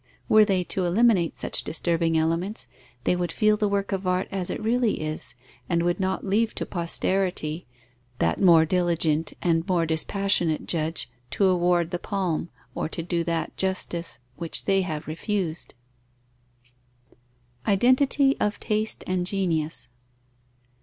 Were they to eliminate such disturbing elements, they would feel the work of art as it really is, and would not leave to posterity, that more diligent and more dispassionate judge, to award the palm, or to do that justice, which they have refused. _Identity of taste and genius.